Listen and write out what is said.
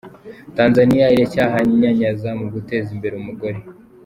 Tanzania iracyahanyanyaza mu guteza imbere umugore.